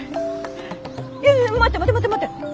いや待って待って待って待って。